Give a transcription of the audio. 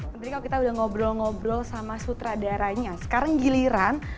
jadi kalau kita udah ngobrol ngobrol sama sutradaranya sekarang giliran